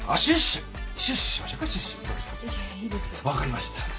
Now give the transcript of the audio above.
分かりました。